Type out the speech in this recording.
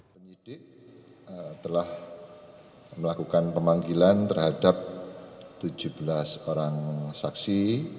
penyidik telah melakukan pemanggilan terhadap tujuh belas orang saksi